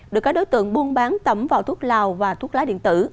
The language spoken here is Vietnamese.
được các đối tượng buôn bán tẩm vào thuốc lào và thuốc lá điện tử